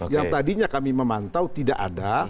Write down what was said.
yang tadinya kami memantau tidak ada